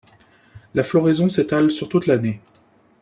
La floraison s’étale sur toute l’année.